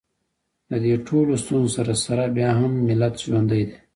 د دې ټولو ستونزو سره سره بیا هم ملت ژوندی دی